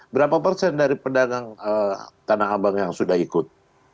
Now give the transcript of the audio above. berapa persen dari pedagang tanah abang yang sudah ikut